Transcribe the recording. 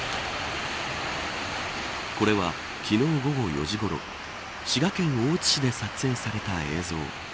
これは、昨日午後４時ごろ滋賀県大津市で撮影された映像。